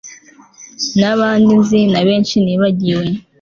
n'abandi nzi na benshi nibagiwe